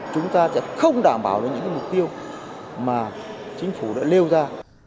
chúng ta sẽ không đảm bảo được những mục tiêu mà chính phủ đã nêu ra